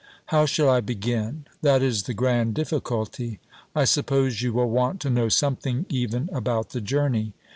How shall I begin? That is the grand difficulty! I suppose you will want to know something even about the journey.